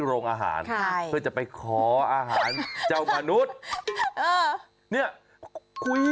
เข้าร่งอาหารเพื่อจะไปคออาหารเจ้ามนูต